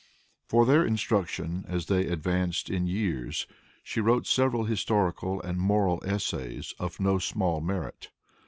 For their instruction as they advanced in years, she wrote several historical and moral essays of no small merit.